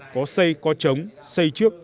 có xây có chống xây trước